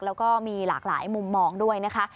แล้วก็มีหลากหลายมุมมองด้วยนะคะ